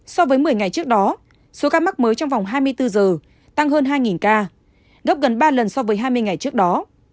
so với một mươi ngày trước đó số ca mắc mới trong vòng hai mươi bốn giờ tăng hơn hai ca gấp gần ba lần so với hai mươi ngày trước đó